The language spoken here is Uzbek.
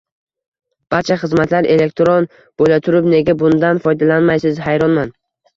Barcha xizmatlar elektron bo'laturib, nega bundan foydlanmaysiz hayronman.